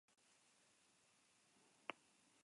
Sortu zen lehenengo ugalketa-mota izan zen, eta sinpleena da.